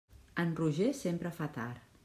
En Roger sempre fa tard.